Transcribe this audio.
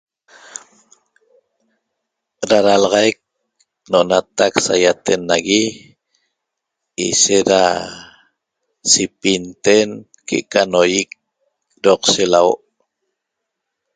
Ra ralaxaic no'onatac saiaten nagui ishet ra sipinten que'eca noiec roqshe lauo'